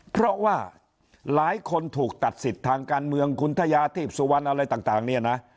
เพราะว่าหลายคนถูกตัดสิทธิ์ทางการเมืองคุณทยาทีพสุวรรณอะไรต่างเนี่ยนะ